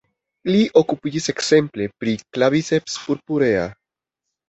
Li okupiĝis ekzemple pri "Claviceps purpurea".